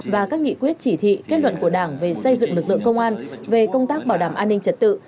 và các nghị quyết chỉ thị kết luận của đảng về xây dựng lực lượng công an về công tác bảo đảm an ninh trật tự